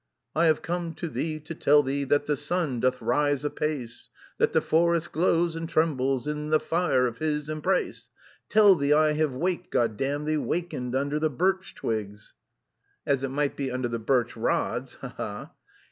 'I have come, to thee to tell thee That the sun doth r r rise apace, That the forest glows and tr r rembles In... the fire of...his...embrace. Tell thee I have waked, God damn thee, Wakened under the birch twigs....' ("As it might be under the birch rods, ha ha!")